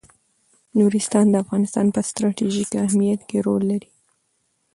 نورستان د افغانستان په ستراتیژیک اهمیت کې رول لري.